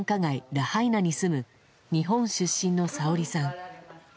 ラハイナに住む日本出身のさおりさん。